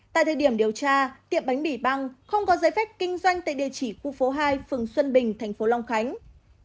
tại thời điểm điều tra tiệm bánh bỉ băng không có giấy phép kinh doanh tại địa chỉ khu phố hai phường xuân bình tp long khánh